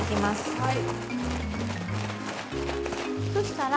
はい。